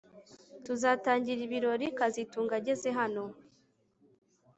Tuzatangira ibirori kazitunga ageze hano